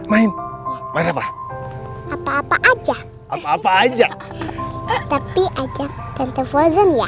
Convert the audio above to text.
main main main apa apa aja apa apa aja tapi aja tentu fosun ya